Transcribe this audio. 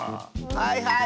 はいはい！